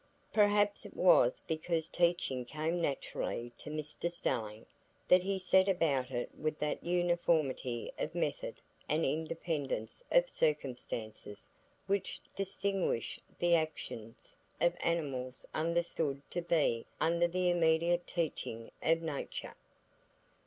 Perhaps it was because teaching came naturally to Mr Stelling, that he set about it with that uniformity of method and independence of circumstances which distinguish the actions of animals understood to be under the immediate teaching of nature.